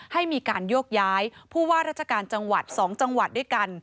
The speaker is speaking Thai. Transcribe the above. ให้มีการโยกย้ายผู้ว่าราชการจังหวัด๒จังหวัดด้วยกัน